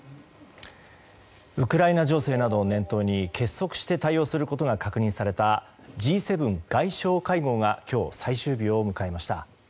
ウクライナ情勢などを念頭に結束して対応することが確認されたＧ７外相会合が今日、最終日を迎えました。